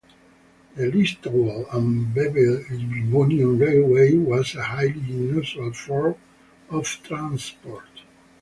The Listowel and Ballybunion Railway was a highly unusual form of transport.